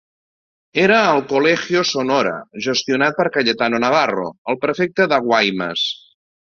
Era el Colegio Sonora gestionat per Cayetano Navarro, el prefecte de Guaymas.